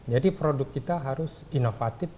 jadi produk kita harus inovatif